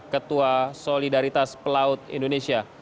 ketua solidaritas pelaut indonesia